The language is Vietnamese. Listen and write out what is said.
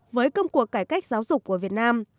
với công cuộc cải cách giáo dục của việt nam